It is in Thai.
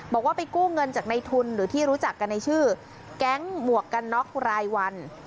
บอกว่าไปกู้เงินจากในทุนหรือที่รู้จักกันในชื่อแก๊งหมวกกันน็อกรายวัน